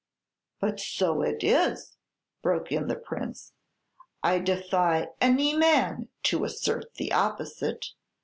"But so it is," broke in the Prince; "I defy any man to assert the opposite.